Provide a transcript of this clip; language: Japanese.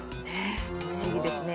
不思議ですね